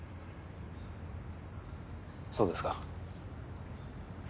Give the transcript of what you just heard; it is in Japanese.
そうですか。